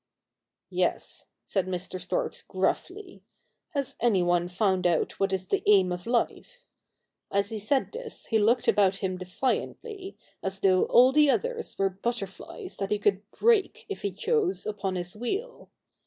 ' Yes,' said Mr. Storks gruffly, ' has any one found out what is the aim of life ?' As he said this he looked about him defiantly, as though all the others were butter flies, that he could break, if he chose, upon his wheel.